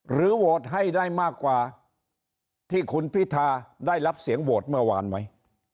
โหวตให้ได้มากกว่าที่คุณพิธาได้รับเสียงโหวตเมื่อวานไหม